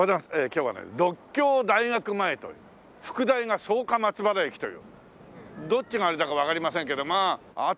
今日はね獨協大学前という副題が草加松原駅というどっちがあれだかわかりませんけどまあ。